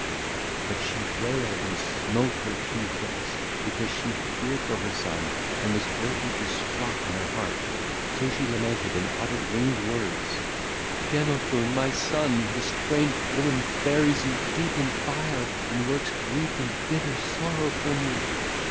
But she wailed and smote her two hips, because she feared for her son and was greatly distraught in her heart; so she lamented and uttered winged words: (ll. 248 249) 'Demophoon, my son, the strange woman buries you deep in fire and works grief and bitter sorrow for me.